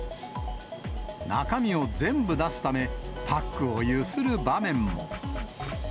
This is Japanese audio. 中身を全部出すため、パックをゆする場面も。